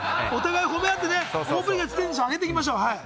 お互い褒め合ってオープニングのテンション上げていきましょう。